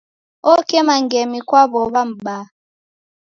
Okema ngemi kwa w'ow'a m'baa.